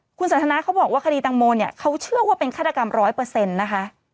คุณสันทนาเขาบอกว่าคดีตังโมเนี่ยเขาเชื่อว่าเป็นฆาตกรรมร้อยเปอร์เซ็นต์นะคะ